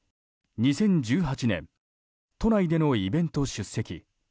２０１８年都内でのイベント出席。